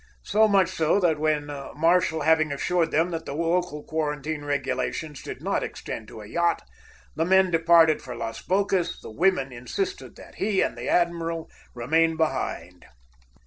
So much so that when, Marshall having assured them that the local quarantine regulations did not extend to a yacht, the men departed for Las Bocas, the women insisted that he and admiral remain behind.